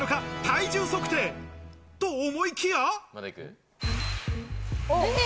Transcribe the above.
体重測定と思いきや。